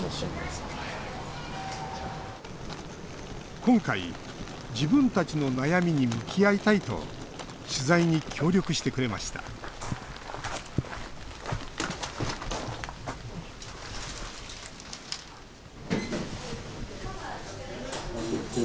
今回、自分たちの悩みに向き合いたいと取材に協力してくれましたこんにちは。